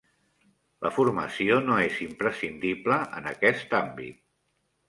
La formació no és imprescindible en aquest àmbit.